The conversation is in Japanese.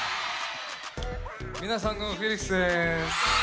皆さんのフィリックスです。